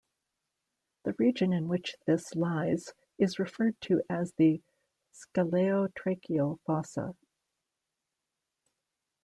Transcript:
The region in which this lies is referred to as the scaleotracheal fossa.